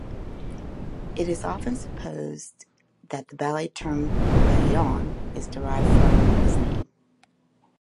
It is often supposed that the ballet term ballon is derived from his name.